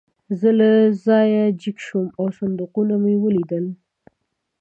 زه له ځایه جګ شوم او صندوقونه مې ولیدل